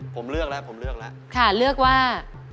ผมเลือกแล้วค่ะเลือกว่า